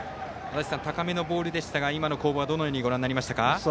足達さん、高めのボールでしたが今の攻防はどのようにご覧になりましたか。